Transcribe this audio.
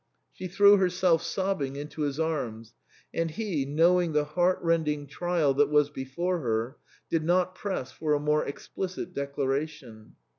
She threw 28 THE CREMONA VIOLIN. herself sobbing into his arms, and he, knowing the heartrending trial that was before her, did not press for a more explicit declaration.